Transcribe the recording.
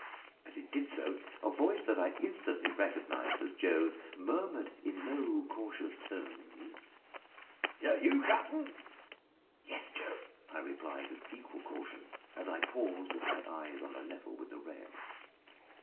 As it did so, a voice that I instantly recognised as Joe's murmured, in low, cautious tones "Is that you, cap'n?" "Yes, Joe," I replied, with equal caution, as I paused with my eyes on a level with the rail.